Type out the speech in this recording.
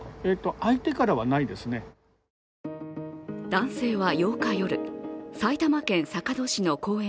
男性は８日夜、埼玉県坂戸市の公園